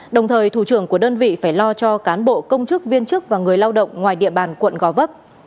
đồng thời thủ trưởng của đơn vị phải lo cho cán bộ công chức viên chức và người lao động ngoài địa bàn quận gò vấp